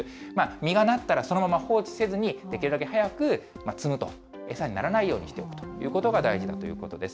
実がなったら、そのまま放置せずにできるだけ早く摘むと、餌にならないようにしておくということが大事だということです。